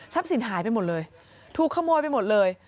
สินหายไปหมดเลยถูกขโมยไปหมดเลย